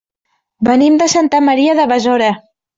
Venim de Santa Maria de Besora.